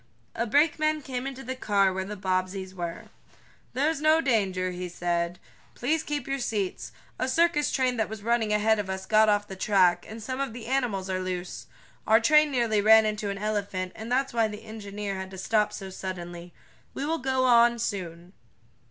A brakeman came into the car where the Bobbseys were. "There's no danger," he said. "Please keep your seats. A circus train that was running ahead of us got off the track, and some of the animals are loose. Our train nearly ran into an elephant, and that's why the engineer had to stop so suddenly. We will go on I soon."